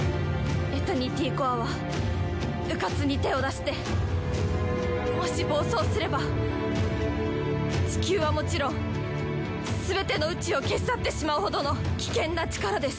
エタニティコアはうかつに手を出してもし暴走すれば地球はもちろんすべての宇宙を消し去ってしまうほどの危険な力です！